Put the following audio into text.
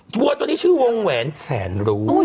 วัวตัวนี้ชื่อวงแหวนแสนรู้